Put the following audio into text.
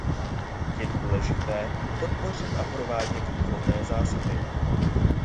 Je důležité podpořit a provádět výchovné zásahy.